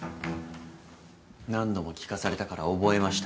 何度も聞かされたから覚えました。